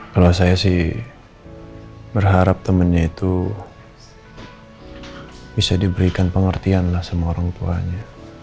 kalau saya sih berharap temannya itu bisa diberikan pengertian lah sama orang tuanya